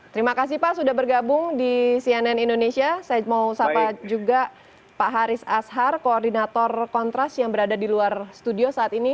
terima kasih pak sudah bergabung di cnn indonesia saya mau sapa juga pak haris ashar koordinator kontras yang berada di luar studio saat ini